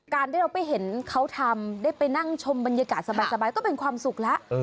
ที่เราไปเห็นเขาทำได้ไปนั่งชมบรรยากาศสบายก็เป็นความสุขแล้ว